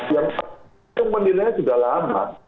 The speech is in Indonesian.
yang menilainya sudah lama